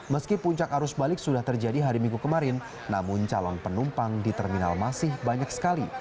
meski puncak arus balik sudah terjadi hari minggu kemarin namun calon penumpang di terminal masih banyak sekali